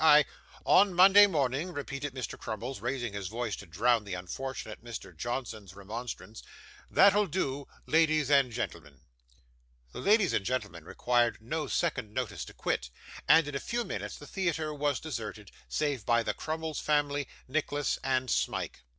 'I ' 'On Monday morning,' repeated Mr. Crummles, raising his voice, to drown the unfortunate Mr. Johnson's remonstrance; 'that'll do, ladies and gentlemen.' The ladies and gentlemen required no second notice to quit; and, in a few minutes, the theatre was deserted, save by the Crummles family, Nicholas, and Smike.